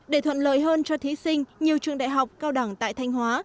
để thuận lợi hơn cho thí sinh nhiều trường đại học cao đẳng tại thanh hóa